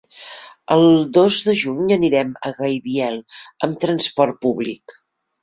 El dos de juny anirem a Gaibiel amb transport públic.